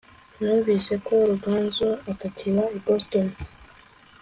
numvise ko ruganzu atakiba i boston